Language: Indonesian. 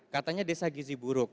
katanya desa gizi buruk